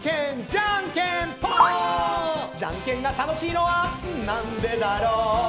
ジャンケンが楽しいのは「なんでだろう」